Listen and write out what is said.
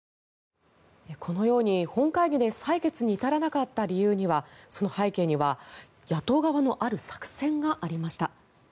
このように本会議で採決に至らなかった理由には背景には野党側のある作戦がありました。